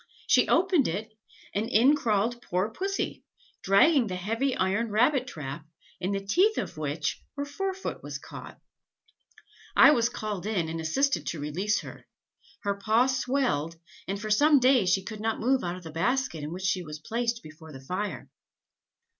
She opened it, and in crawled poor Pussy, dragging the heavy iron rabbit trap, in the teeth of which her fore foot was caught. I was called in, and assisted to release her; her paw swelled, and for some days she could not move out of the basket in which she was placed before the fire.